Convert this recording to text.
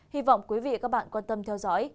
hy vọng quý vị và các bạn quan tâm theo dõi